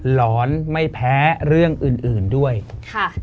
หลอนไม่แพ้เรื่องอื่นด้วยค่ะค่ะ